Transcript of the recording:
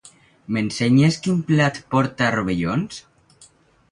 M'ensenyes quin plat porta rovellons?